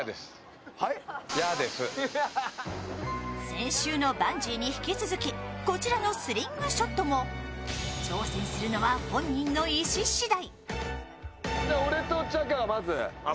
先週のバンジーに引き続きこちらのスリングショットも挑戦するのは本人の意思次第。